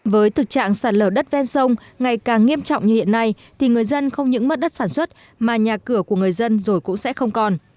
với thực trạng sạt lở đất ven sông ngày càng nghiêm trọng như hiện nay thì người dân không những mất đất sản xuất mà nhà cửa của người dân rồi cũng sẽ không còn